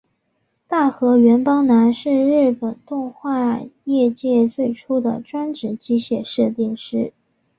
大河原邦男是日本动画业界最初的专职机械设定师。